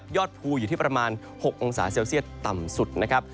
ยอดภูมิอยู่ที่ประมาณ๖องศาเซลเซียตต่ำสุด